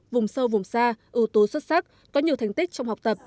vùng sâu vùng xa ưu tố xuất sắc có nhiều thành tích trong học tập